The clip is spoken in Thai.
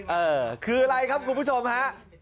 เออคืออะไรครับคุณผู้ชมฮะ